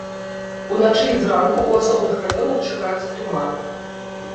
Уначы і зранку ў асобных раёнах чакаюцца туманы.